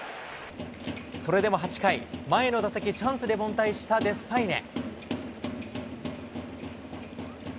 それでも８回、前の打席、チャンスで凡退したデスパイネ。